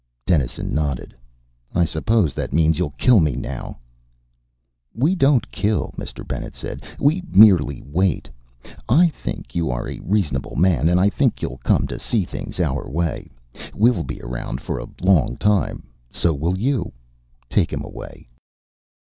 Dennison nodded. "I suppose that means you kill me now?" "We don't kill," Mr. Bennet said. "We merely wait. I think you are a reasonable man, and I think you'll come to see things our way. We'll be around a long time. So will you. Take him away."